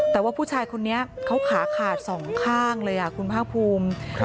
แต่ว่าผู้ชายคนนี้เขาขาขาดสองข้างเลยคุณภาคภูมิ